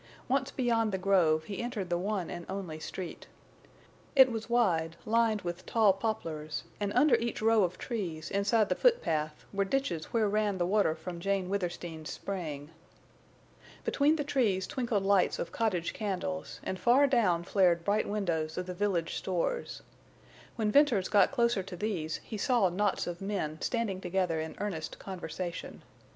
Once beyond the grove he entered the one and only street. It was wide, lined with tall poplars, and under each row of trees, inside the foot path, were ditches where ran the water from Jane Withersteen's spring. Between the trees twinkled lights of cottage candles, and far down flared bright windows of the village stores. When Venters got closer to these he saw knots of men standing together in earnest conversation.